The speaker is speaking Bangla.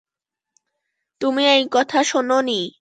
তুমি এই কথা শুনো নি?